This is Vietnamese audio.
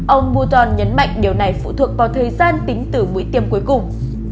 ông bouton nhấn mạnh điều này phụ thuộc vào thời gian tính từ mũi tiêm cuối cùng